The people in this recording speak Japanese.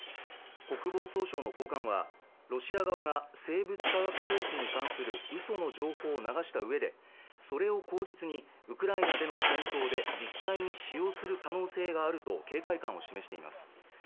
国防総省の高官はロシア側が生物化学兵器に関する嘘の情報を流した上でそれを口実にウクライナでの戦闘で実際に使用する可能性があると警戒感を示しています